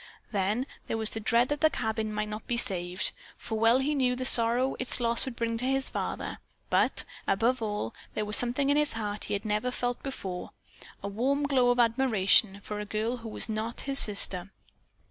Then there was the dread that the cabin might not be saved, for well he knew the sorrow its loss would bring to his father, but, above all, there was something in his heart he had never felt before, a warm glow of admiration for a girl who was not his sister.